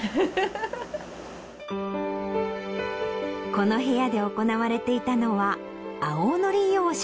この部屋で行われていたのは青のり養殖。